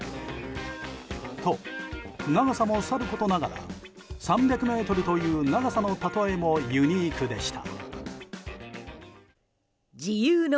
と、長さもさることながら３００ｍという長さの例えもユニークでした。